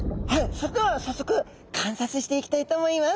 それでは早速観察していきたいと思います。